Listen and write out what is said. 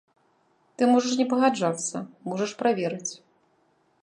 Ты можаш не пагаджацца, можаш праверыць.